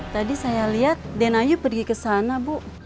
tadi saya lihat denayu pergi ke sana bu